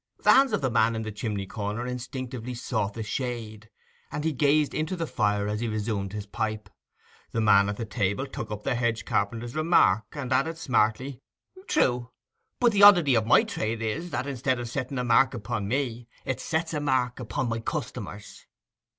The hands of the man in the chimney corner instinctively sought the shade, and he gazed into the fire as he resumed his pipe. The man at the table took up the hedge carpenter's remark, and added smartly, 'True; but the oddity of my trade is that, instead of setting a mark upon me, it sets a mark upon my customers.